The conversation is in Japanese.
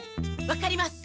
分かります！